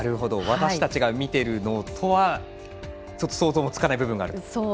私たちが見ているのとはちょっと想像がつかない部分がある。